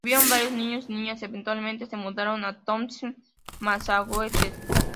Tuvieron varios niños y niñas, eventualmente se mudaron a Townsend, Massachusetts.